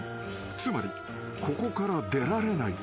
［つまりここから出られない］